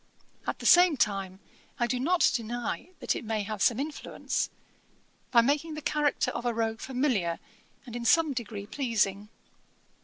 At the same time I do not deny that it may have some influence, by making the character of a rogue familiar, and in some degree pleasing.'